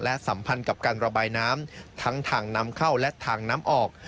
สัมพันธ์กับการระบายน้ำทั้งทางน้ำเข้าและทางน้ำออก